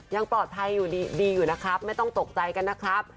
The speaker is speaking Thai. ยังปลอดภัยอยู่ดีอยู่นะครับไม่ต้องตกใจกันนะครับ